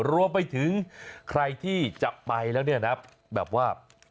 รวมไปถึงใครที่จะไปแล้วเนี่ยนะแบบว่า